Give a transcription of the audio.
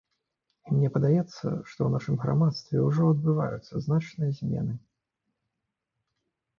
І мне падаецца, што ў нашым грамадстве ўжо адбываюцца значныя змены.